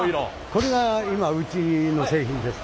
これが今うちの製品です。